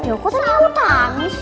ya kok ternyata mau tamis sih